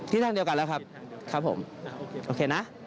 ทางเดียวกันแล้วครับครับผมโอเคนะ